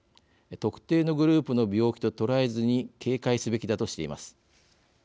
特定のグループの病気と捉えずに警戒すべきだ」としています。